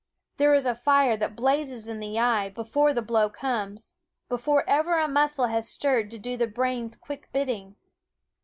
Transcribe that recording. There is a fire that blazes in the eye before 204 Quoskh Keen Eyed the blow comes, before ever a muscle has stirred to do the brain's quick bidding.